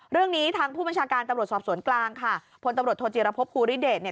เรื่องนี้ทางผู้บัญชาการตำรวจสอบสวนกลางค่ะพลตำรวจโทจิรพบภูริเดชเนี่ย